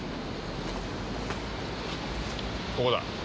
ここだ。